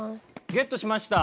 ゲットしました。